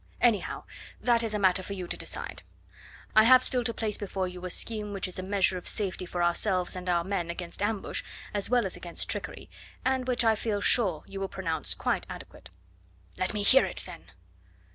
Anyhow, that is a matter for you to decide. I have still to place before you a scheme which is a measure of safety for ourselves and our men against ambush as well as against trickery, and which I feel sure you will pronounce quite adequate." "Let me hear it, then!"